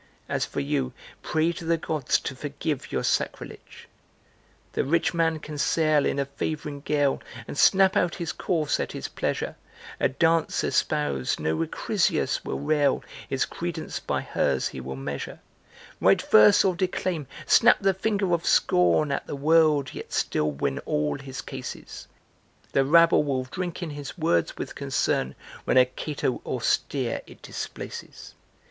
As for you, pray to the gods to forgive your sacrilege!" The rich man can sail in a favoring gale And snap out his course at his pleasure; A Dance espouse, no Acrisius will rail, His credence by hers he will measure; Write verse, or declaim; snap the finger of scorn At the world, yet still win all his cases, The rabble will drink in his words with concern When a Cato austere it displaces.